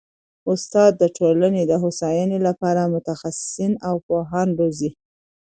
استاد د ټولني د هوسايني لپاره متخصصین او پوهان روزي.